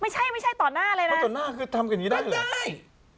ใช่ไม่ใช่ต่อหน้าเลยนะเพราะต่อหน้าคือทำกันอย่างนี้ได้เหรอไม่ได้